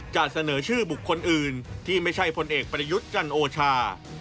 จะเสนอชื่อบุคคลอื่นที่ไม่ใช่พลเอกประยุทธ์จันโอชา